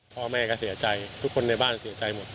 พ่อแม่ก็เสียใจทุกคนในบ้านเสียใจหมด